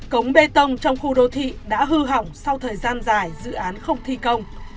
cống bê tông trong khu đô thị đã hư hỏng sau thời gian dài dự án không thi công